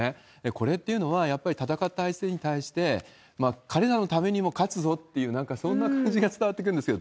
これっていうのは、やっぱり戦った相手に対して、彼らのためにも勝つぞっていう、なんかそんな感じが伝わってくるんですよ。